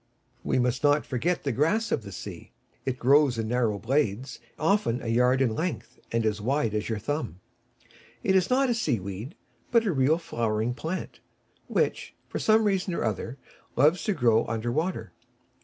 We must not forget the grass of the sea. It grows in narrow blades, often a yard in length, and as wide as your thumb. It is not a sea weed, but a real flowering plant, which, for some reason or other, loves to grow under water.